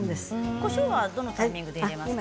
こしょうはどれくらいのタイミングで入れますか。